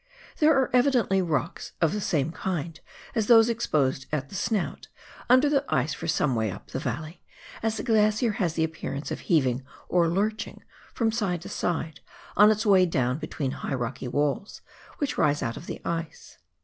There are evidently rocks, of the same kind as those exposed at the " snout," under the ice for some way up the valley, as the glacier has the appearance of heaving or lurching, from side to side, on its way down between high rocky walls, which rise out of the ice.